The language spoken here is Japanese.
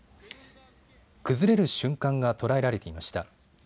崩れる瞬間が捉えられていました。